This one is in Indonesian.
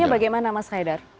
kacau bagaimana mas haidar